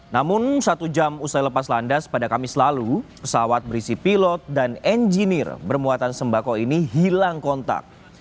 namun satu jam usai lepas landas pada kamis lalu pesawat berisi pilot dan engineer bermuatan sembako ini hilang kontak